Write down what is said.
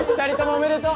おめでとう！